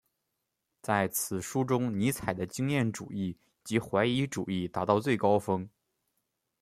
在此书中尼采的经验主义及怀疑主义达到最高峰。